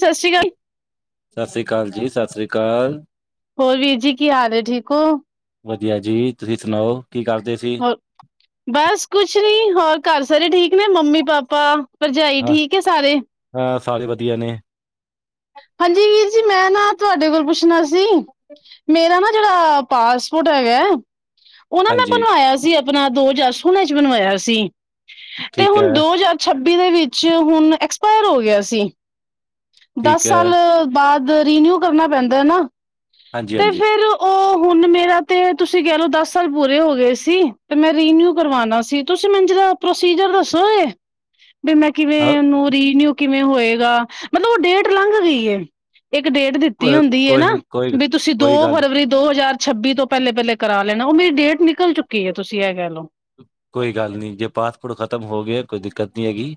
ਸ਼ਸ਼੍ਰੀ ਕਾਲ। ਸਸ਼੍ਰੀ ਅਕਾਲ ਜੀ, ਸਸ਼੍ਰੀ ਅਕਾਲ। ਹੋਰ ਵੀਰ ਜੀ ਕੀ ਹਾਲ ਐ? ਠੀਕ ਓ। ਵਧੀਆ ਜੀ ਤੁਸੀਂ ਸੁਣਾਓ? ਹੋਰ [unintelligible] ਬਸ ਕੁਛ ਨੀ, ਹੋਰ ਘਰ ਸਾਰੇ ਠੀਕ ਨੇ? ਮੰਮੀ ਪਾਪਾ ਭਰਜਾਈ ਠੀਕ ਏ ਸਾਰੇ? ਹ ਸਾਰੇ ਵਦੀਆਂ ਨੇ। ਹਾਂਜੀ ਵੀਰ ਜੀ ਮੈ ਨਾ ਤੁਹਾਡੇ ਕੋਲ ਪੁੱਛਣਾ ਸੀ, ਮੇਰਾ ਨਾ ਜੇੜਾ ਪਾਸਪੋਰਟ ਹੈਗਾ ਐ, ਓ ਨਾ ਮੈ ਹਾਂਜੀ, ਬਣਵਾਇਆ ਸੀ ਆ ਪਨਾ ਦੋ ਹਜਾਰ ਸੋਲ੍ਹਾ ਚ ਬਣਵਾਇਆ ਸੀ, ਤੇ ਠੀਕ ਹੈ, ਹੁਣ ਦੋ ਹਜਾਰ ਛੱਬੀ ਦੇ ਵਿੱਚ ਹੁਣ ਐਕਸਪਾਇਰ ਹੋ ਗਿਆ ਸੀ। ਠੀਕ ਦਸ ਹੈ, ਸਾਲ, ਬਾਦ ਰੀਨਿਊ ਕਰਨਾ ਪੈਂਦਾ ਏ ਨਾ, ਤੇ ਹਾਂਜੀ-ਹਾਂਜੀ। ਫੇਰ ਉਹ ਹੁਣ [inaudible] ਮੇਰਾ ਤੇ, ਤੁਸੀ ਕੈ ਲੋ ਦਸ ਸਾਲ ਪੂਰੇ ਹੋ ਗਏ ਸੀ ਤੇ ਮੈਂ ਰੀਨਿਊ ਕਰਵਾਨਾ ਸੀ ਤੁਸੀਂ ਮੈਨ ਜਰਾ ਪ੍ਰੋਸੀਜਰ ਦੱਸੋਗੇ? ਬੀ ਮੈ ਹਾਂ, ਕਿਵੇਂ ਓਨੂੰ, ਰੀਨਿਊ ਕਿਵੇਂ ਹੋਏਗਾ ਮਤਲਬ ਓ ਡੇਟ ਲੰਘ ਗਈ ਏ ਏਕ ਡੇਟ ਦਿੱਤੀ ਕੋ- ਹੁੰਦੀ ਏ ਨਾ, ਕੋਈ, ਕੋਈ, ਬੀ ਤੁਸੀਂ ਦੋ ਕੋਈ ਗੱਲ ਫਰਵਰੀ ਦੋ ਹਜਾਰ ਛੱਬੀ ਤੋਂ ਪੈਲੇ-ਪੈਲੇ ਕਰਾ ਲੈਨਾ ਓ ਮੇਰੀ ਡੇਟ ਨਿਕਲ ਚੁੱਕੀ ਏ, ਤੁਸੀ ਐ ਕੈ ਲੋ। ਕੋਈ ਗੱਲ ਨੀ ਜੇ ਪਾਸਪੋਟ ਖਤਮ ਹੋਗਿਆ, ਕੋਈ ਦਿੱਕਤ ਨੀ ਹੈਗੀ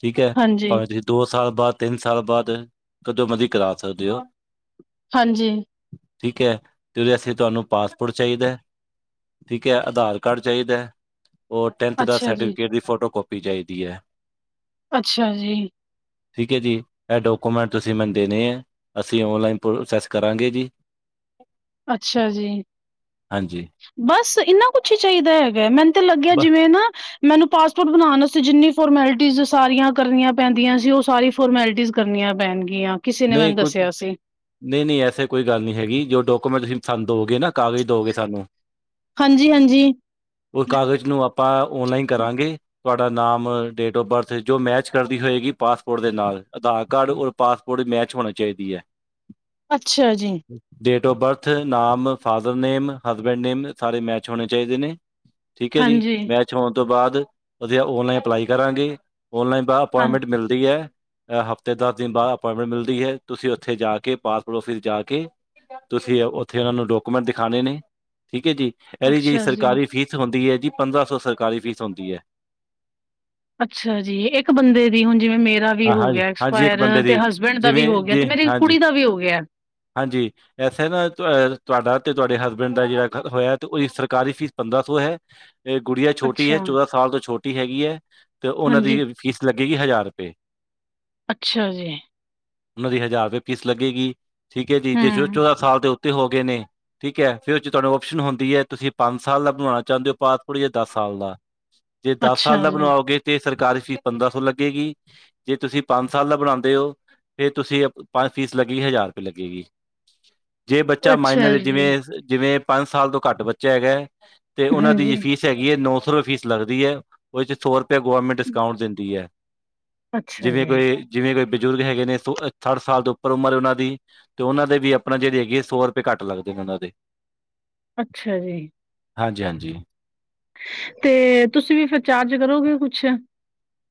ਠੀਕ ਐ ਹਾਂਜੀ ਭਾਵੇਂ ਤੁਸੀਂ ਦੋ ਸਾਲ ਬਾਦ, ਤਿੰਨ ਸਾਲ ਬਾਦ ਕਦੋਂ ਮਰਦੀ ਕਰਾ ਸਕਦੇ ਓ। ਹਾਂਜੀ। ਠੀਕ ਐ, ਤੇ ਓਦੇ ਆਸੇ ਤੁਹਾਨੂੰ ਪਾਸਪੋਟ ਚਾਈਦਾ ਏ ਠੀਕ ਐ, ਅਧਾਰ ਕਾਡ ਚਾਈਦਾ ਐ ਓਰ ਟੈਂਨਥ ਦਾ ਅੱਛਾ ਜੀ ਸਰਟੀਫਿਕੇਟ ਦੀ ਫੋਟੋ ਕੋਪੀ ਚਾਈਦੀ ਐ। ਅੱਛਾ ਜੀ। ਠੀਕ ਐ ਜੀ ਐ ਡੋਕੋਮੈਂਟ ਤੁਸੀਂ ਮੈਨ ਦੇਨੇ ਐ ਅਸੀ ਓਨਲਾਈਨ ਪ੍ਰੋਸੈਸ ਕਰਾਂਗੇ ਜੀ ਅੱਛਾ ਜੀ, ਹਾਂਜੀ ਬਸ ਇੰਨਾ ਕੁਛ ਈ ਚਈਦਾ ਐ ਮੈਨ ਤੇ ਲੱਗੇਆ ਬ ਜਿਵੇਂ ਨਾ ਮੈਨੂੰ ਪਾਸਪੋਟ ਬਨਾਨ ਆਸਤੇ ਜਿੰਨੀ ਫੋਰਮੈਲਟੀਜ਼ ਸਾਰੀਆਂ ਕਰਨੀਆਂ ਪੈਂਦੀਆਂ ਸੀ, ਓ ਸਾਰੀਆਂ ਫੋਰਮੈਲਟੀਜ਼ ਕਰਨੀਆਂ ਪੈਨਗੀਆਂ। ਨਈ ਕੁਜ ਨਈ, ਨਈ ਐਸੇ ਕੋਈ ਗੱਲ ਨਈ ਹੈਗੀ, ਜੋ ਡੋਕੋਮੰਟ ਤੂਸੀ ਸਾਨੂ ਦੋਗੇ ਨਾ ਕਾਗਜ ਦੋਗੇ ਸਾਨੂੰ ਹਾਂਜੀ ਹਾਂਜੀ ਓ ਕਾਗਜ ਨੂੰ ਆਪਾਂ ਓਨਲਾਈਨ ਕਰਾਂਗੇ ਤੁਆਡਾ ਨਾਮ, ਡੇਟ ਔਫ ਬਰਥ ਜੋ ਮੈਚ ਕਰਦੀ ਹੋਏਗੀ ਪਾਸਪੋਟ ਦੇ ਨਾਲ਼, ਅਧਾਰ ਕਾਡ ਓਰ ਪਾਸਪ ਥੋੜ੍ਹੀ ਮੈਚ ਹੋਣ ਚਾਈਦੀ ਐ। ਅੱਛਾ ਜੀ। ਡੇਟ ਓਫ ਬਰਥ, ਨਾਮ, ਫਾਦਰ ਨੇਮ, ਹਸਬੇਂਡ ਨੇਮ ਸਾਰੇ ਮੈਚ ਹੋਣੇ ਚਾਈਦੇ ਨੇ ਠੀਕ ਐ ਜੀ ਹਾਂਜੀ ਮੈਚ ਹੋਣ ਤੋਂ ਬਾਅਦ ਅਸੀਂ ਔਨਲਾਈਨ ਅਪਲਾਈ ਕਰਾਂਗੇ ਔਨਲਾਈਨ ਬਾਅਦ ਹਾਂ ਅਪਾਇੰਟਮੈਂਟ ਮਿਲਦੀ ਐ ਹਫਤੇ ਦਸ ਦਿਨ ਬਾਅਦ ਅਪੋਇੰਟਮੈਂਟ ਮਿਲਦੀ ਹੈ ਤੁਸੀਂ ਉੱਥੇ ਜਾ ਕੇ ਪਾਸਪੋਟ ਆਫਿਸ ਜਾ ਕੇ ਤੁਸੀਂ ਉੱਥੇ ਓਨਾ ਨੂੰ ਡਾਕੂਮੈਂਟ ਦਿਖਾਣੇ ਨੇ ਠੀਕ ਐ ਜੀ। ਐਦੀ ਜਿਹੜੀ ਅੱਛਾ ਜੀ ਸਰਕਾਰੀ ਫੀਸ ਹੁੰਦੀ ਐ ਜੀ ਪੰਦਰਾਂ ਸੌ ਸਰਕਾਰੀ ਫ਼ੀਸ ਹੁੰਦੀ ਐ। ਅੱਛਾ ਜੀ ਇੱਕ ਬੰਦੇ ਦੀ ਹੁਣ ਜਿਵੇਂ ਮੇ ਵੀ ਹਾਂ ਹੋ ਹਾਂਜੀ ਗਿਆ ਹਾਂਜੀ ਇੱਕ ਐਕਸਪਾਇਰ ਬੰਦੇ ਤੇ ਦੀ ਹਸਬੈਂਡ ਦਾ ਵੀ ਜਿਵੇਂ ਹੋ ਗਿਆ ਜੀ ਤੇ ਮੇਰੀ ਹਾਂਜੀ ਕੁੜੀ ਦਾ ਵੀ ਹੋ ਗਿਆ। ਹਾਂਜੀ। ਐਸੇ ਨਾ ਤੁਹਾਡਾ ਤੇ ਤੁਹਾਡੇ ਹਸਬੈਂਡ ਦਾ ਜਿਹੜਾ ਹੋਇਆ ਤੇ ਉਹਦੀ ਸਰਕਾਰੀ ਫੀਸ ਪੰਦਰਾਂ ਸੌ ਹੈ। ਇਹ ਗੁੜੀਆ ਛੋਟੀ ਹੈ ਅੱਛਾ ਚੌਦਾਂ ਸਾਲ ਤੋਂ ਛੋਟੀ ਹੈਗੀ ਹੈ ਤੇ ਉਹਨਾਂ ਹਾਂਜੀ ਦੀ ਫੀਸ ਲੱਗੇਗੀ ਹਜ਼ਾਰ ਰੁਪਏ। ਅੱਛਾ ਜੀ। ਉਹਨਾਂ ਦੀ ਹਜ਼ਾਰ ਰੁਪਏ ਫੀਸ ਲੱਗੇਗੀ ਠੀਕ ਹੈ ਜੀ ਜੇ ਹਮ ਚੌਦਾਂ ਸਾਲ ਦੇ ਉੱਤੇ ਹੋ ਗਏ ਨੇ। ਠੀਕ ਹੈ ਫਿਰ ਉਹ ਚ ਤੁਹਾਨੂੰ ਓਪਸ਼ਨ ਹੁੰਦੀ ਹੈ ਤੁਸੀਂ ਪੰਜ ਸਾਲ ਦਾ ਬਣਾਉਣਾ ਚਾਹੁੰਦੇ ਹੋ ਪਾਸਪੋਰਟ ਜਾਂ ਦਸ ਸਾਲ ਦਾ ਜੇ ਦਾਸ ਸਾਲ ਅੱਛਾ ਦਾ ਜੀ ਬਣਵਾਓਗੇ ਤੇ ਸਰਕਾਰੀ ਫੀ, ਪੰਦਰਾਂ ਸੌ ਲੱਗੇਗੀ ਜੇ ਤੁਸੀਂ ਪੰਜ ਸਾਲ ਦਾ ਬਣਾਂਦੇ ਓ ਫੇਰ ਤੁਸੀ, ਅਪ ਤਾਂ ਫ਼ੀਸ ਲੱਗੇਗੀ ਹਜਾਰ ਰਪੇ ਲੱਗੇਗੀ। [inaudible] ਜੇ ਬੱਚਾ ਅੱਛਾ ਮਾਈਨਰ ਜੀ ਜਿਵੇਂ, ਸ ਜਿਵੇਂ ਪੰਜ ਸਾਲ ਤੋਂ ਘੱਟ ਬੱਚਾ ਹੈਗਾ ਏ, ਤੇ ਓਨਾਂ ਦੀ ਹਾਂਜੀ ਫੀਸ ਹੈਗੀ ਐ ਨੋ ਸੋ ਰਪੈ ਫੀਸ ਲੱਗਦੀ ਐ, ਓਦੇ ਚ ਸੋ ਰਪੈ ਗੌਰਰਮੈਂਟ ਡਿਸਕਾਊਂਟ ਦਿੰਦੀ ਐ। ਅੱਛਾ ਜਿਵੇਂ ਜੀ ਕੋਈ, ਜਿਵੇਂ ਕੋਈ ਬਿਜ਼ੁਰਗ ਹੈਗੇ ਨੇ ਸੋ, ਸੱਠ ਸਾਲ ਤੋਂ ਉੱਪਰ ਉਮਰ ਓਨਾਂ ਦੀ ਤੇ ਉਹਨਾਂ ਦੇ ਵੀ ਆਪਣਾ ਜਿਹੜੇ ਹੈਗੇ ਆ ਸੌ ਰੁਪਏ ਘੱਟ ਲੱਗਦੇ ਨੇ ਉਹਨਾਂ ਦੇ ਅੱਛਾ ਜੀ। ਹਾਂਜੀ ਹਾਂਜੀ। ਤੇ ਤੁਸੀਂ ਵੀ ਫਿਰ ਚਾਰਜ ਕਰੋਗੇ ਕੁਛ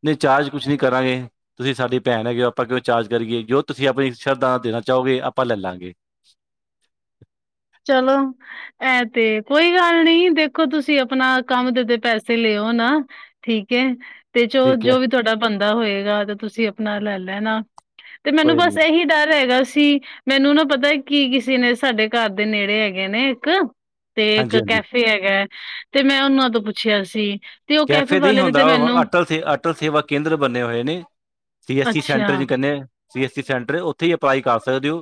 ਨਹੀਂ ਚਾਰਜ ਕੁਛ ਨਹੀਂ ਕਰਾਂਗੇ। ਤੁਸੀਂ ਸਾਡੀ ਭੈਣ ਹੈਗੇ ਹੋ ਆਪਾਂ ਕਿਉਂ ਚਾਰਜ ਕਰੀਏ ਜੋ ਤੁਸੀਂ ਆਪਣੀ ਸ਼ਰਧਾ ਦੇਣਾ ਚਾਹੋਗੇ ਆਪਾਂ ਲੈ ਲਾਂਗੇ। ਚਲੋ। ਇਹ ਤੇ ਕੋਈ ਗੱਲ ਨੀ ਦੇਖੋ ਤੁਸੀਂ ਆਪਣਾ ਕੰਮ ਦੇ ਤੇ ਪੈਸੇ ਲਿਓ ਨਾ। ਠੀਕ ਹੈ ਤੇ ਚ ਠੀਕ ਹੈ ਜੋ ਵੀ ਤੁਹਾਡਾ ਬਣ ਦਾ ਹੋਏਗਾ ਤੇ ਤੁਸੀਂ ਆਪਣਾ ਲੈ ਲੈਣਾ ਤੇ ਮੈਨੂੰ ਕੋਈ ਬਸ ਨੀ ਇਹੀ ਡਰ ਹੈਗਾ ਸੀ ਮੈਨੂੰ ਨਾ ਪਤਾ ਕੀ ਕਿਸੇ ਨੇ ਸਾਡੇ ਘਰ ਦੇ ਨੇੜੇ ਹੈਗੇ ਨੇ ਇੱਕ ਤੇ ਇੱਕ ਹਾਂਜੀ ਹਾਂਜੀ ਕੈਫੇ ਹੈਗਾ ਤੇ ਮੈਂ ਉਹਨਾਂ ਤੋਂ ਪੁੱਛਿਆ ਸੀ। ਤੇ ਉਹ ਕੈਫੇ ਨਹੀਂ ਵਾਲੇ ਨੇ ਹੁੰਦਾ ਤੇ ਮੈਨੂੰ ਅਟਲ ਸੇ ਅਟਲ ਸੇਵਾ ਕੇਂਦਰ ਬਣੇ ਹੋਏ ਨੇ ਸੀ ਐੱਸਸੀ ਸੀ ਅੱਛਾ ਸੈਂਟਰ ਕ ਸੀ ਐੱਸ ਸੀ ਸੈਂਟਰ ਉੱਥੇ ਹੀ ਅਪਲਾਈ ਕਰ ਸਕਦੇ ਹੋ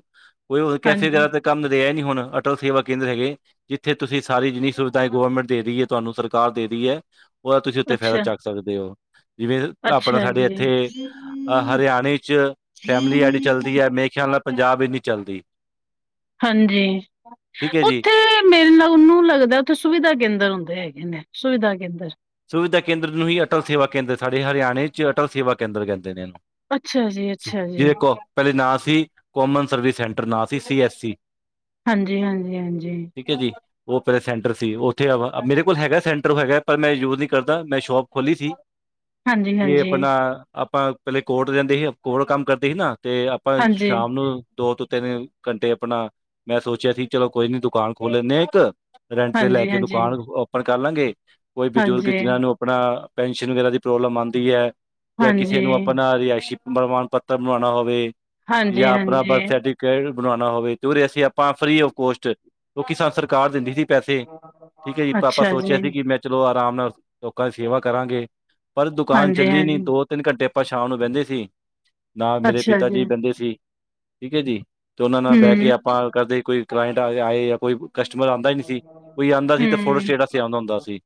ਕੋਈ ਕੈਫੇ ਹਾਂਜੀ ਵਗੈਰਾ। ਕੰਮ ਰਿਹਾ ਨੀ ਹੁਣ ਅਟਲ ਸੇਵਾ ਕੇਂਦਰ ਹੈਗੇ। ਜਿੱਥੇ ਤੁਸੀਂ ਸਾਰੀ ਜਿੰਨੀ ਸੁਵਿਧਾ ਗਵੌਰਮੈਂਟ ਦੇ ਰਹੀ ਹੈ ਤੁਹਾਨੂੰ ਸਰਕਾਰ ਦੇ ਰਹੀ ਹੈ। ਉਹਦਾ ਤੁਸੀਂ ਉੱਥੇ ਫਾਇਦਾ ਅੱਛਾ ਚੁੱਕ ਸਕਦੇ ਹੋ। ਜਿਵੇਂ ਆਪਣਾ ਅੱਛਾ ਸਾਡੇ ਇੱਥੇ ਜੀ ਹਰਿਆਣੇ ਚ ਫੈਮਿਲੀ ਐਡ ਚੱਲਦੀ ਹੈ ਮ ਖਿਆ ਨਾਲ ਪੰਜਾਬ ਇੰਨੀ ਚੱਲਦੀ ਹਾਂਜੀ ਠੀਕ ਹੈ ਜੀ ਉੱਥੇ ਮੇਰੇ ਨਾਲ ਉਹਨੂੰ ਲੱਗਦਾ ਉੱਥੇ ਸੁਵਿਧਾ ਕੇਂਦਰ ਹੁੰਦੇ ਹੈਗੇ ਨੇ ਸੁਵਿਧਾ ਕੇਂਦਰ ਸੁਵਿਧਾ ਕੇਂਦਰ ਨੂੰ ਹੀ, ਅਟਲ ਸੇਵਾ ਕੇਂਦਰ, ਸਾਡੇ ਹਰਿਆਣੇ ਚ ਅਟਲ ਸੇਵਾ ਕੇਂਦਰ ਕਹਿੰਦੇ ਨੇ, ਇਹਨੂੰ। ਜੀ ਦੇਖੋ, ਪਹਿਲੇ ਨਾਂ ਸੀ ਕੋਮਨ ਸਰਵਿਸ ਸੈਂਟਰ, ਨਾਂ ਸੀ, ਸੀ -ਐਸ -ਸੀ। ਹਾਂਜੀ -ਹਾਂਜੀ, ਹਾਂਜੀ। ਠੀਕ ਹੈ ਜੀ, ਉਹ ਫਿਰ ਸੈਂਟਰ ਸੀ, ਉੱਥੇ ਮੇਰੇ ਕੋਲ ਹੈਗਾ, ਸੈਂਟਰ ਹੋਗਾ ਪਰ ਮੈਂ ਯੂਜ ਨਹੀਂ ਕਰਦਾ, ਮੈਂ ਸ਼ੋਪ ਖੋਲੀ ਸੀ ਹਾਂਜੀ, ਕਿ ਹਾਂਜੀ, ਆਪਣਾ ਆਪਾਂ ਪਹਿਲੇ ਕੋਰਟ ਜਾਂਦੇ ਸੀ, ਕੋਰਟ ਕੰਮ ਕਰਦੇ ਸੀ ਨਾ, ਤੇ ਆਪਾਂ ਹਾਂਜੀ, ਸ਼ਾਮ ਨੂੰ ਦੋ ਤੋਂ ਤਿੰਨ ਘੰਟੇ ਆਪਣਾ ਮੈਂ ਸੋਚਿਆ ਸੀ ਚਲੋ ਕੋਈ ਨ ਦੁਕਾਨ ਖੋਲ ਲੈਂਦੇ ਆ ਇੱਕ ਰੈਂਟ ਤੇ ਲੈ ਕੇ ਹਾਂਜੀ, ਦੁਕਾਨ ਓਪਨ ਕਰ ਲਾਂਗੇ ਕੋਈ ਬਜ਼ੁਰਗ ਹਾਂਜੀ, ਜਿਹਨਾਂ ਨੂੰ ਆਪਣਾ ਪੈਨਸ਼ਨ ਵਗੈਰਾ ਦੀ ਪ੍ਰੋਬਲਮ ਆਉਂਦੀ ਹੈ ਜਾਂ ਕਿਸੇ ਹਾਂਜੀ, ਨੂੰ ਆਪਣਾ ਰਿਹਾਇਸ਼ੀ ਪ੍ਰਮਾਣ ਪੱਤਰ ਬਣਾਉਣਾ ਹੋਵੇ ਹਾਂਜੀ, ਹਾਂਜੀ, ਜਾਂ ਆਪਣਾ ਹਾਂਜੀ। ਬਰਥ ਸਰਟੀ [unintelligible] ਬਣਾਣਾ ਹੋਵੇ ਤੇ ਉਰੇ ਅਸੀਂ ਆਪਾਂ ਫ੍ਰਰੀ ਔਫ ਕੋਸਟ ਜੋ [unintelligible] ਸਰਕਾਰ ਦਿੰਦੀ ਸੀ। ਪੈਸੇ ਠੀਕ ਐ ਜੀ ਪਾਪਾ ਅੱਛਾ ਸੋਚਿਆ ਜੀ, ਸੀ ਕੀ ਮੈਂ ਚਲੋ ਆਰਾਮ ਨਾਲ ਲੋਕਾਂ ਦੀ ਸੇਵਾ ਕਰਾਂਗੇ ਪਰ ਦੁਕਾਨ ਹਾਂਜੀ, ਚੱਲੀ ਨੀ ਹਾਂਜੀ, ਦੋ ਤਿੰਨ ਘੰਟੇ ਆਪਾਂ ਸ਼ਾਮ ਨੂੰ ਬੇਂਦੇ ਸੀ ਨਾਲ ਮੇਰੇ ਪਿਤਾ ਜੀ ਬੇਂਦੇ ਸੀ ਠੀਕ ਐ ਜੀ। ਤੇ ਓਨਾਂ ਨਾਲ ਬਹਿ ਕੇ ਹੂੰ, ਆਪਾਂ ਕਦੇ ਕੋਈ ਕਲਾਇੰਟ ਆਏ ਜਾਂ ਕੋਈ ਕਸਟਮਰ ਆਂਦਾ ਈ ਨੀ ਸੀ ਕੋਈ ਆਂਦਾ ਸੀ ਤੇ ਫੋਟੇ ਹੂੰ, ਸਟੇਟ ਵਾਸਤੇ ਆਂਦਾ ਹੁੰਦਾ ਸੀ।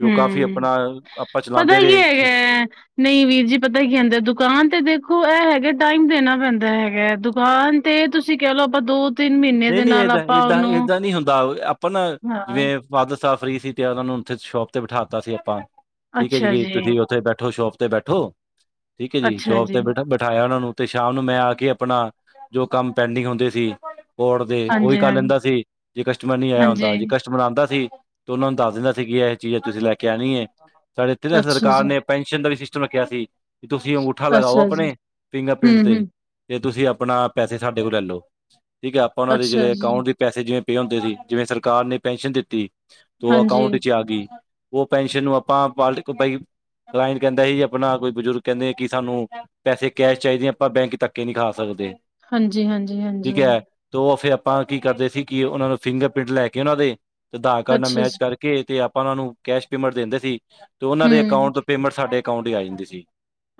ਵੀ ਉਹ ਕਾਫੀ ਹੂੰ ਆਪਣਾ ਆਪਾਂ ਪਤਾ ਚਲਾਉਂਦੇ ਕੀ ਰਹੇ ਹੈਗੈ ਨਈ ਵੀਰ ਜੀ ਪਤਾ ਕੀ ਆਂਦੇ ਦੁਕਾਨ ਤੇ ਦੇਖੋ ਐ ਹੈਗਾ ਟਾਈਮ ਦੇਣਾ ਪੈਂਦਾ ਹੈਗੈ ਦੁਕਾਨ ਤੇ ਤੁਸੀਂ ਕਹਿ ਲਓ, ਆਪਾਂ ਦੋ ਤਿੰਨ ਮਹੀਨੇ ਨਹੀਂ ਦੇ -ਨਹੀਂ, ਨਾਲ ਆਪਾਂ ਏਦਾਂ-ਏਦਾਂ, ਉਹਨੂੰ ਏਦਾਂ ਨੀ ਹੁੰਦਾ ਆਪਣਾ ਹਾਂ ਜਿਵੇਂ ਫਾਦਰ ਸਾਬ ਫਰੀ ਸੀ, ਤੇ ਓਨਾਂ ਨੂੰ ਉੱਥੇ ਸ਼ੋਪ ਤੇ ਬਿਠਾ ਤਾ ਸੀ ਆਪਾਂ। ਠੀਕ ਐ ਜੀ, ਕਿ ਤੁਸੀਂ ਉੱਥੇ ਬੈਠੋ ਸ਼ੋਪ ਤੇ ਬੈਠੋ, ਠੀਕ ਐ ਜੀ ਸ਼ੋਪ ਤੇ ਬੈਠ ਬਠਾਇਆ ਉਨਾਂ ਨੂੰ, ਤੇ ਸ਼ਾਮ ਨੂੰ ਮੈਂ ਆ ਕੇ ਆਪਣਾ ਜੋ ਕੰਮ ਪੈਂਡਿੰਗ ਹੁੰਦੇ ਸੀ ਕੋਰਟ ਤੇ ਉਹੀ ਹਾਂਜੀ, ਕਰ ਹਾਂਜੀ, ਲੈਂਦਾ ਸੀ, ਜੇ ਕਸਟਮਰ ਨੀ ਆਇਆ ਹੁੰਦਾ ਹਾਂਜੀ, ਜੇ ਕਸਟਮਰ ਆਉਂਦਾ ਸੀ, ਤੇ ਉਹਨਾਂ ਨੂੰ ਦੱਸ ਦਿੰਦਾ ਸੀ, ਕਿ ਇਹ ਚੀਜ਼ ਤੁਸੀਂ ਲੈ ਕੇ ਆਉਣੀ ਹੈ। ਸਾਡੇ ਇੱਥੇ ਅੱਛਾ ਸਰਕਾਰ ਜੀ, ਨੇ ਪੈਨਸ਼ਨ ਦਾ ਵੀ ਸਿਸਟਮ ਰੱਖਿਆ ਸੀ, ਵੀ ਤੁਸੀਂ ਅੰਗੂਠਾ ਲਗਾਓ ਅੱਛਾ ਜੀ, ਆਪਣੇ ਫਿੰਗਰ ਪ੍ਰਿੰਟ ਹੂੰ, ਦੇ ਹੂੰ, ਤੇ ਤੁਸੀਂ ਆਪਣਾ ਪੈਸੇ, ਸਾਡੇ ਕੋਲੋ ਲੈ ਲਓ। ਠੀਕ ਹੈ, ਆਪਾਂ ਉਹਨਾਂ ਦੇ ਅੱਛਾ ਜਿਹੜੇ ਜੀ, ਅਕਾਊਂਟ ਦੇ ਪੈਸੇ ਜਿਵੇਂ ਪਏ ਹੁੰਦੇ ਸੀ, ਜਿਵੇਂ ਸਰਕਾਰ ਨੇ ਪੈਨਸ਼ਨ ਦਿੱਤੀ ਤੇ ਉਹ ਹਾਂਜੀ, ਅਕਾਊਂਟ ਚ ਆ ਗਈ, ਉਹ ਪੈਨਸ਼ਨ ਨੂੰ [unintelligible] ਕਲਾਇੰਟ ਕਹਿੰਦਾ ਸੀ, ਆਪਣਾ ਕੋਈ ਬਜ਼ੁਰਗ ਕਹਿੰਦੇ ਕਿ ਸਾਨੂੰ ਪੈਸੇ ਕੈਸ਼ ਚਾਹੀਦੇ ਆ, ਆਪਾਂ ਬੈਂਕ ਚ ਧੱਕੇ ਨੀ ਖਾ ਸਕਦੇ। ਹਾਂਜੀ-ਹਾਂਜੀ, ਹਾਂਜੀ। ਤੋ ਓ ਫੇਰ ਆਪਾਂ ਕੀ ਕਰਦੇ ਸੀ, ਕੀ ਉਨਾਂ ਨੂੰ ਫਿੰਗਰਪਿੰਟ ਲੈ ਕੇ, ਉਨਾਂ ਦੇ ਆਧਾਰ ਕਾਰਡ ਨਾਲ ਅੱਛਾ ਮੈਚ ਜੀ, ਕਰ ਕੇ ਤੇ ਆਪਾਂ ਉਨਾਂ ਨੂੰ ਕੈਸ਼ ਪੇਮੈਂਟ ਦਿੰਦੇ ਸੀ, ਤੇ ਉਨਾਂ ਦੇ ਹੂੰ, ਅਕਾਊਂਟ ਤੋਂ ਪੇਮੈਂਟ ਸਾਡੇ ਅਕਾਊਂਟ ਚ ਆ ਜਾਂਦੀ ਸੀ।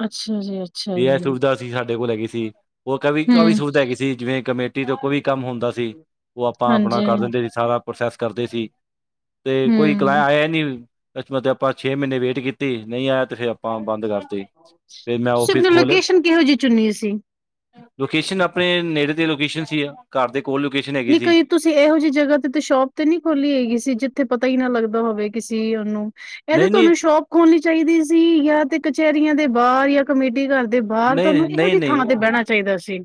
ਅੱਛਾ ਜੀ ਤੇ -ਅੱਛਾ ਇਹ ਜੀ। ਸੁਵਿਧਾ ਸਾਡੇ ਕੋਲ ਹੈਗੀ ਸੀ, ਉਹ ਇੱਕ ਆ ਵੀ ਹੂੰ, ਸੁਵਿਧਾ ਹੈਗੀ ਸੀ, ਜਿਵੇਂ ਕਮੇਟੀ ਤੋਂ ਕੋਈ ਕੰਮ ਹੁੰਦਾ ਸੀ। ਓ ਆਪਾਂ ਆਪਣਾ ਹਾਂਜੀ, ਕਰ ਦਿੰਦੇ ਸੀ, ਸਾਰਾ ਪ੍ਰੋਸੈਸ ਕਰਦੇ ਸੀ, ਤੇ ਕੋਈ ਕਲੈ ਹੂੰ, ਆਇਆ ਨੀ। ਇਸ ਵਾਸਤੇ ਆਪਾਂ ਛੇ ਮਹੀਨੇ ਵੇਟ ਕੀਤੀ, ਨਈ ਆਇਆ ਤਾਂ ਫਿਰ ਆਪਾਂ ਬੰਦ ਕਰ ਤੁਸੀਂ, ਆਪਣੀ ਲੋਕੇਸ਼ਨ ਕਿਹੋ ਜਿਹੀ ਚੁਣੀ ਸੀ? ਲੋਕੇਸ਼ਨ ਆਪਣੇ ਨੇੜੇ ਤੇ ਲੋਕੇਸ਼ਨ ਸੀ, ਘਰ ਦੇ ਕੋਲ ਲੋਕੇਸ਼ਨ ਹੈਗੀ ਨਹੀਂ ਸੀ। ਕਈ ਤੁਸੀਂ ਇਹੋ ਜਿਹੀ ਜਗ੍ਹਾ ਤੇ, ਤੇ ਸ਼ੋਪ ਤੇ ਨੀ ਖੋਲੀ ਹੈਗੀ ਸੀ, ਜਿੱਥੇ ਪਤਾ ਹੀ ਨਾ ਲੱਗਦਾ ਹੋਵੇ ਕਿਸੀ ਉਹਨੂੰ ਏ ਤਾਂ, ਨਹੀਂ ਨਹੀਂ ਤੁਹਾਨੂੰ ਸ਼ੋਪ ਖੋਲਣੀ ਚਾਹੀਦੀ ਸੀ ਯਾਂ ਤੇ ਕਚਹਿਰੀਆਂ ਦੇ ਬਾਹਰ, ਜਾਂ ਕਮੇਟੀ ਘਰ ਦੇ ਬਾਹਰ, ਤੁਹਾਨੂੰ ਨਹੀਂ ਇਹੋ ਜਿਹੀ ਜੀ ਥਾਂ ਤੇ ਬਹਿਣਾ ਚਾਹੀਦਾ ਸੀ।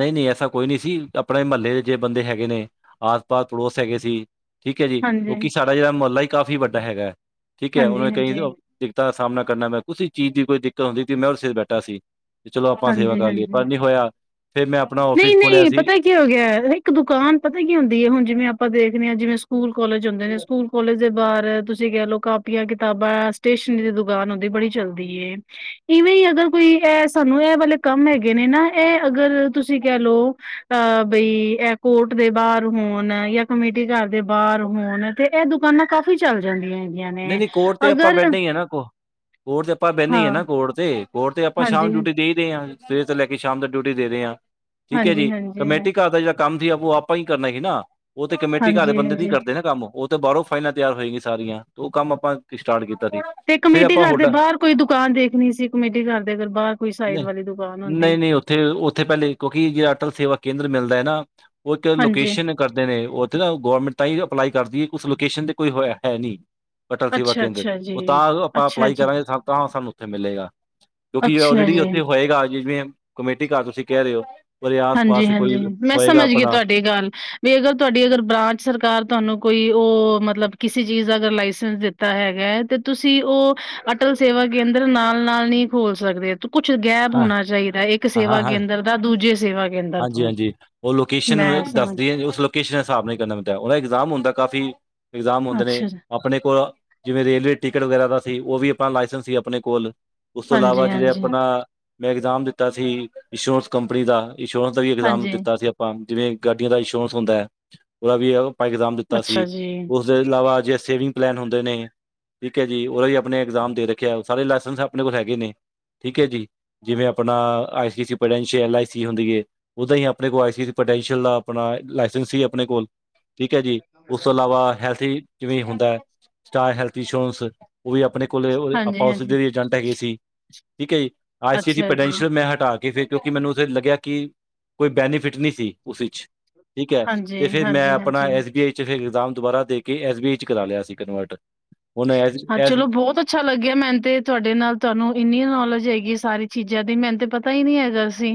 ਨੀ-ਨੀ, ਐਸਾ ਕੋਈ ਨੀ ਸੀ, ਆਪਣੇ ਮੁਹੱਲੇ ਦੇ ਜੇ ਬੰਦੇ ਹੈਗੇ ਨੇ ਆਸ-ਪਾਸ ਪੜੋਸ ਹੈਗੇ ਸੀ। ਠੀਕ ਐ ਜੀ, ਹਾਂਜੀ ਕਿਉਂਕਿ ਸਾਡਾ ਜਿਹੜਾ ਮੁਹੱਲਾ ਹੀ ਕਾਫ਼ੀ ਵੱਡਾ ਹੈਗਾ, ਠੀਕ ਐ ਹਾਂਜੀ ਹਾਂਜੀ ਦਿੱਕਤਾਂ ਦਾ ਸਾਮਣਾ ਕਰਨਾ ਪਿਆ, ਕਿਸੀੇ ਚੀਜ਼ ਦੀ ਕੋਈ ਦਿੱਕਤ ਹੁੰਦੀ ਤੀ ਮੈਂ [unintelligible] ਬੈਠਾ ਸੀ। ਬਈ ਚਲੋ ਆਪਾਂ ਸੇਵਾ ਹਾਂਜੀ ਕਰ ਲਈਏ, ਹਾਂਜੀ ਪਰ ਨੀ ਹੋਇਆ, ਫੇਰ ਮੈਂ ਆਪਣਾ, ਆਫਿਸ ਖੋਲਿਆ ਨਹੀਂ-ਨਹੀਂ ਸੀ। ਪਤਾ ਕੀ ਹੋ ਗਿਆ, ਇੱਕ ਦੁਕਾਨ ਪਤਾ ਕੀ ਹੁੰਦੀ ਐ, ਹੁਣ ਜਿਵੇਂ ਆਪਾਂ ਦੇਖਨੇ ਆ, ਜਿਵੇਂ ਸਕੂਲ ਕਾਲਜ ਹੁੰਦੇ ਨੇ ਸਕੂਲ ਕਾਲਜ ਦੇ ਬਾਹਰ, ਤੁਸੀਂ ਕਹਿ ਲਉ ਕਾਪੀਆਂ-ਕਿਤਾਬਾਂ ਸਟੇਸ਼ਨਰੀ ਦੀ ਦੁਕਾਨ ਹੁੰਦੀ, ਬੜੀ ਚਲਦੀ ਏ। ਇਵੇਂ ਈ, ਅਗਰ ਕੋਈ ਐ ਸਾਨੂੰ ਐ ਵਾਲੇ ਕੰਮ ਹੈਗੇ ਨੇ ਨਾ, ਐ ਅਗਰ ਤੁਸੀਂ ਕਿਹ ਲਉ ਅ ਬਈ ਐ ਕੋਰਟ ਦੇ ਬਾਹਰ ਹੋਣ ਜਾਂ ਕਮੇ ਟੀ ਘਰ ਦੇ, ਬਾਹਰ ਹੋਣ ਤੇ ਇਹ ਦੁਕਾਨਾਂ ਕਾਫ਼ੀ ਚੱਲ ਜਾਂਦੀਆਂ ਨੇ। ਹੈਗੀਆਂ ਨਈ-ਨਈ ਕੋਰਟ ਤੇ ਆਪਾਂ ਅਗਰ [unintelligible] ਈ ਐ ਨਾ ਕੋ ਕੋਰਟ ਤੇ ਆਪਾਂ ਬੈਨੇ ਈ ਆ ਹਾਂ, ਨਾ ਕੋਰਟ ਤੇ। ਹੋਰ ਤੇ ਆਪਾਂ ਸ਼ਾਮ ਨੂੰ ਹਾਂਜੀ, ਡਿਊਟੀ ਦੇ ਈ ਰੇ ਆ ਸਵੇਰੇ ਤੋਂ ਲੈ ਕੇ ਸ਼ਾਮ ਦਾ ਡਿਊਟੀ ਦੇ ਰੇ ਆਂ। ਠੀਕ ਐ ਜੀ ਹਾਂਜੀ, ਹਾਂਜੀ, ਹਾਂਜੀ, ਕਮੇਟੀ ਘਰ ਦਾ ਜਾ ਕੰਮ ਸੀ ਓ ਆਪਾਂ ਈ ਕਰਨਾ ਸੀ ਨਾ ਓ ਤੇ ਕਮੇਟੀ ਘਰ ਹਾਂਜੀ। ਬੰਦੇ ਦੀ ਨੀ ਹਾਂਜੀ ਕਰਦੇ ਨਾ ਕੰਮ ਤੇ ਬਾਹਰੋਂ ਫਾਈਲਾਂ ਤਿਆਰ ਹੋਏਗੀ ਸਾਰੀਆਂ, ਤੇ ਉਹ ਕੰਮ ਆਪਾਂ ਸਟਾਰਟ ਕੀਤਾ ਤੀ। ਤੇ ਕਮੇਟੀ ਘਰ ਦੇ, ਬਾਹਰ ਕੋਈ ਦੁਕਾਨ ਦੇਖਣੀ ਸੀ, ਕਮੇਟੀ ਘਰ ਦੇ ਅਗਰ ਬਾਹਰ ਕੋਈ ਸਾਈਡ ਵਾਲੀ, ਦੁਕਾਨ ਹੁੰਦੀ। ਉੱਥੇ-ਉੱਥੇ ਪਹਿਲੇ ਕਿਉਂਕਿ, ਅਟਲ ਸੇਵਾ ਕੇਂਦਰ ਮਿਲਦਾ ਐ ਨਾ ਉਸ ਚ ਹਾਂਜੀ, ਲੋਕੇਸ਼ਨ ਕਰਦੇ ਨੇ, ਉੱਥੇ ਨਾ ਗੌਰਮੈਂਟ ਤਾਂ ਈ ਅਪਲਾਈ ਕਰਦੀ ਐ ਉਸ ਲੋਕੇਸ਼ਨ ਤੇ ਕੋਈ ਹੋ ਹੈ ਨੀ। ਅਟਲ ਸੇਵਾ ਕੇਂਦਰ, ਅੱਛਾ-ਅੱਛਾ ਜੀ, ਉਹ ਤਾਂ ਆਪਾਂ ਅੱਛਾ ਅਪਲਾਈ ਜੀ, ਕਰਾਂਗੇ, ਤਾਂ ਸਾਨੂੰ ਉੱਥੇ ਮਿਲੇਗਾ। ਕਿਉਂਕਿ, ਅੱਛਾ ਆਲਰੇਡੀ ਉੱਥੇ ਜੀ। ਹੋਏਗਾ, ਜਿਵੇਂ ਕਮੇਟੀ ਘਰ ਤੁਸੀਂ ਕਹਿ ਰਹੇ ਓ। ਹਾਂਜੀ-ਹਾਂਜੀ, ਮੈਂ ਸਮਝ ਗੀ ਤੁਹਾਡੀ ਗੱਲ। ਵੀ ਅਗਰ, ਤੁਹਾਡੀ ਅਗਰ ਬ੍ਰਾਂਚ ਸਰਕਾਰ ਤੁਹਾਨੂੰ, ਕੋਈ ਓ ਮਤਲਬ, ਕਿਸੇ ਚੀਜ਼ ਦਾ ਅਗਰ ਲਾਇਸੈਂਸ ਦਿੱ ਤਾ ਹੈਗਾ ਤੇ, ਤੁਸੀਂ ਓ ਅਟਲ ਸੇਵਾ ਕੇਂਦਰ ਨਾਲ-ਨਾਲ ਨੀ ਖੋਲ ਸਕਦੇ। ਤੇ ਕੁਛ ਗੈਪ ਹਾਂ ਹੋਣਾ ਚਾਹੀਦਾ, ਇੱਕ ਹਾਂ ਸੇਵਾ ਹਾਂ ਕੇਂਦਰ ਦਾ ਦੂਜੇ ਸੇਵਾ ਕੇਂਦਰ ਹਾਂਜੀ ਤੋਂ ਹਾਂਜੀ ਉਹ ਲੋਕੇਸ਼ਨ ਮੈਂ ਸਮਝ ਦੱਸਦੀ ਹੈ ਉਸ ਕਿਸੇ ਨੇ ਹਿਸਾਬ ਨਾਲ ਨਹੀਂ ਕਰਨਾ ਪਿਲਦਾ ਉਹ ਦਾ ਇਗਜ਼ਾਮੁੰਦਾ ਕਾਫੀ ਇਗਜ਼ਾਮ ਹੁੰਦੇ ਨੇ ਅੱਛਾ ਜੀ, ਆਪਣੇ ਕੋਲ ਜਿਵੇਂ ਰੇਲਵੇ ਟਿਕਟ ਵਗੈਰਾ ਦਾ ਸੀ ਉਹ ਵੀ ਆਪਣਾ ਲਾਇਸੈਂਸ ਸੀ ਆਪਣੇ ਕੋਲ ਉਸ ਤੋਂ ਇਲਾਵਾ ਜਿਹੜੇ ਹਾਂਜੀ-ਹਾਂਜੀ, ਆਪਣਾ ਮੈਂ ਇਗਜ਼ਾਮ ਦਿੱਤਾ ਸੀ ਇੰਸ਼ੋਰੈਂਸ ਕੰਪਨੀ ਦਾ ਇੰਸ਼ੋਰੈਂਸ ਦਾ ਵੀ ਇਗਜ਼ਾਮ ਹਾਂਜੀ ਹਾਂਜੀ, ਦਿੱਤਾ ਸੀ ਆਪਾਂ ਜਿਵੇਂ ਗੱਡੀਆਂ ਦਾ ਇੰਸ਼ੋਰੈਂਸ ਹੁੰਦਾ ਹੈ ਉਹਦਾ ਵੀ ਇਗਜ਼ਾਮ ਦਿੱਤਾ ਅੱਛਾ ਸੀ ਜੀ, ਉਸਦੇ ਇਲਾਵਾ ਜੇ ਸੇਵਿੰਗ ਪਲੈਨ ਹੁੰਦੇ ਨੇ ਠੀਕ ਹੈ ਜੀ ਉਹਦਾ ਵੀ ਆਪਣੇ ਇਗਜ਼ਾਮ ਦੇ ਰੱਖਿਆ ਉਹ ਸਾਰੇ ਲਾਇਸੈਂਸ ਆਪਣੇ ਕੋਲ ਹੈਗੇ ਨੇ ਠੀਕ ਹੈ ਜੀ ਜਿਵੇਂ ਆਪਣਾ ਆਈ ਸੀ ਸੀ ਐ ਆਈ ਸੀ ਹੁੰਦੀ ਹੈ ਉਦਾਂ ਹੀ ਆਪਣੇ ਕੋਲ ਆਈ ਪਟੈਂਸ਼ੀਅਲ ਦਾ ਆਪਣਾ ਲਾਇਸੈਂਸ ਸੀ ਆਪਣੇ ਕੋਲ ਠੀਕ ਹੈ ਜੀ ਉਸ ਤੋਂ ਇਲਾਵਾ ਹੈਲਥ ਜਿਵੇਂ ਹੁੰਦਾ ਹੈ ਸਟਾਰ ਹੈਲਥ ਇੰਸ਼ੋਰੈਂਸ ਉਹ ਵੀ ਆਪਣੇ ਕੋਲ ਆਪਾਂ ਹਾਂਜੀ-ਹਾਂਜੀ। ਉਸਦੇ ਜੰਟ ਹੈਗੇ ਸੀ ਠੀਕ ਹੈ ਜੀ ਆ ਸੀਸੀ ਅੱਛਾ ਜੀ, ਪੋਟੈਂਸ਼ੀਅਲ ਮੈਂ ਹਟਾ ਕੇ ਫਿਰ ਕਿਉਂਕਿ ਮੈਨੂੰ ਤੁ ਲੱਗਿਆ ਕਿ ਕੋਈ ਬੈਨੀਫਿਟ ਨਹੀਂ ਸੀ ਉਸ ਵਿੱਚ ਠੀਕ ਹੈ ਤੇ ਹਾਂਜੀ, ਫੇਿਰ ਮੈਂ ਹਾਂਜੀ, ਆਪਣਾ ਹਾਂਜੀ। ਐਸ ਬੀ ਆਈ ਫਿਰ ਇਗਜ਼ਾਮ ਦੁਬਾਰਾ ਦੇ ਕੇ ਐਸ ਬੀ ਈ ਚ ਕਰਾ ਲਿਆ ਸੀ ਕਨਵਰਟ ਹੁਣ ਐਸ ਹਾਂ ਐਸ ਚਲੋ ਬਹੁਤ ਅੱਛਾ ਲੱਗਿਆ ਮੈਨੂੰ ਤੇ ਤੁਹਾਡੇ ਨਾਲ ਤੁਹਾਨੂੰ ਇੰਨੀ ਨੌਲੇਜ ਹੈਗੀ ਸਾਰੀ ਚੀਜ਼ਾਂ ਦੀ ਮੈਨ ਤੇ ਪਤਾ ਹੀ ਨਹੀਂੀ ਹੈਗਾ ਅਸੀਂ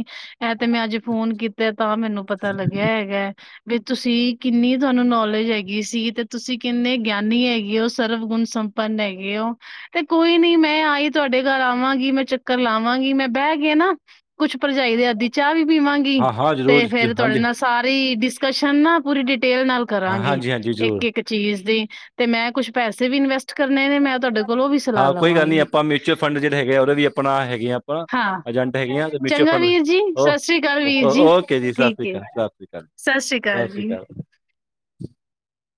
ਇਹ ਤੇ ਮੈਂ ਅੱਜ ਫੋਨ ਕੀਤਾ ਤਾਂ ਮੈਨੂੰ ਪਤਾ ਲੱਗਿਆ ਹੈਗਾ ਵੀ ਤੁਸੀਂ ਕਿੰਨੀ ਤੁਹਾਨੂੰ ਨੌਲੇਜ ਹੈਗੀ ਸੀ ਤੇ ਤੁਸੀਂ ਕਿੰਨੇ ਗਿਆਨੀ ਹੈਗੀ ਹੋ ਸਰਵਗੁਣ ਸੰ ਪ ਹੈਗੇ ਉਹ ਤੇ ਕੋਈ ਨੀ ਮੈਂ ਆਈ ਤੁਹਾਡੇ ਘਰ ਆਵਾਂਗੀ ਮੈਂ ਚੱਕਰ ਲਾਵਾਂਗੀ ਮੈਂ ਬਹਿ ਕੇ ਨਾ ਕੁਛ ਭਰਜਾਈ ਦੇ ਆਦ ਚਾਹ ਵੀ ਪੀਵਾਂਗੀ ਹਾਂ-ਹਾਂ, ਜ਼ਰੂਰ ਤੇ ਜ ਫੇਰ ਤੁਹਾਡੇ ਹਾਂਜੀ, ਨਾਲ ਸਾਰੀ ਡਿਸਕਸ਼ਨ ਨਾ ਪੂਰੀ ਡਿਟੇਲ ਨਾਲ ਕਰਾਂਗੇ ਹਾਂਜੀ-ਹਾਂਜੀ, ਇੱਕ ਜ਼ਰੂਰ ਇੱਕ ਚੀਜ਼ ਦੀ ਤੇ ਮੈਂ ਕੁਛ ਪੈਸੇ ਵੀ ਇਨਵੈਸਟ ਕਰਨੇ ਨੇ ਮੈਂ ਤੁਹਾਡੇ ਕੋਲੋਂ ਉਹ ਵੀ ਸਲਾਹ ਲਵਾਂਗੀ ਮਚਅਲੰਡ ਜਿਹੜੇ ਹੈਗੇ ਉਹਦੇ ਵੀ ਆਪਣਾ ਹੈਗੇ ਆ ਹਾਂ ਏਜੰਟ ਹੈਗੀਆਂ ਤੇ ਮਿਊਚੁਅਲ ਚੰਗਾ ਵੀਰ ਜੀ ਸਤਿ ਸ੍ਰੀ ਅਕਾਲ ਫੰਡ ਵੀਰ ਓਕੇ ਜੀ ਸਤਿ ਸ਼੍ਰੀ ਠੀਕ ਹੈ ਅਕਾਲ ਸਤਿ ਸ਼੍ਰੀ ਅਕਾਲ ਜੀ ਸਤਿ ਸ੍ਰੀ ਅਕਾਲ ਜੀ